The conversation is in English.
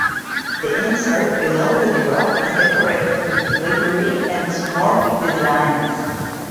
The insert below the drop is decorated with fligree and zoomorphic designs.